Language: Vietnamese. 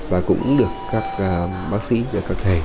và cũng được các bác sĩ và các thầy